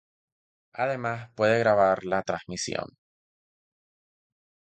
Además, puede grabar la transmisión.